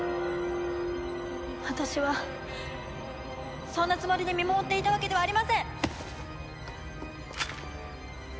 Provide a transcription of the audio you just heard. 私はそんなつもりで見守っていたわけではありません。